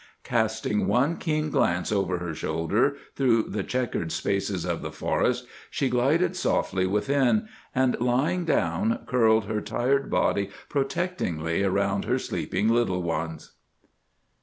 Casting one keen glance over her shoulder through the checkered spaces of the forest, she glided softly within, and lying down, curled her tired body protectingly around her sleeping little ones.